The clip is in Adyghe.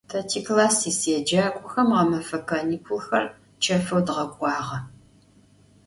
Te tiklass yis yêcak'oxem ğemefe kanikulxer çefeu dğek'uağe.